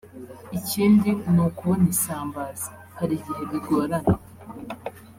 Ikindi ni ukubona isambaza hari igihe bigorana